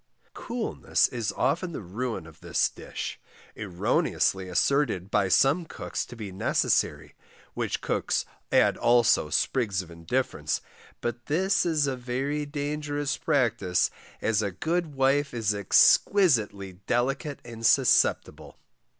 Coolness is often the ruin of this dish, erroneously asserted by some cooks to be necessary, which cooks add also sprigs of indifference, but this is a very dangerous practice, as a good wife is exquisitely delicate and susceptible.